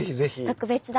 特別だ！